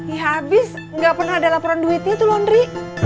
ya habis gak pernah ada laporan duitnya tuh laundry